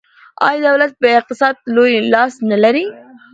آیا دولت په اقتصاد کې لوی لاس نلري؟